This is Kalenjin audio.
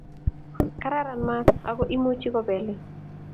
Kararan maat aku imuchi kobelin